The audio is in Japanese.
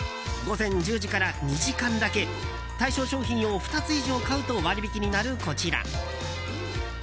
午前１０時から２時間だけ対象商品を２つ以上買うと割引になるこちら。